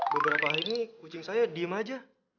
beberapa hari ini kucing saya diem aja